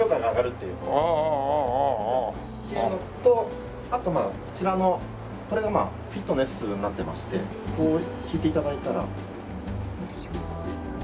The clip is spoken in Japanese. っていうのとあとこちらのこれがフィットネスになってましてこう引いて頂いたら。